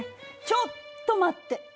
ちょっと待って！